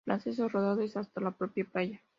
El acceso rodado es hasta la propia playa.